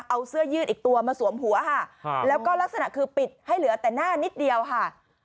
เอาเสื้อยืดอีกตัวมาสวมหัวค่ะแล้วก็ลักษณะคือปิดให้เหลือแต่หน้านิดเดียวค่ะ